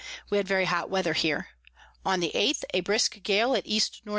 We had very hot Weather here. On the 8_th_ a brisk Gale at E N E.